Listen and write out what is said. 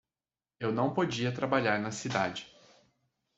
Eu não podia trabalhar na cidade.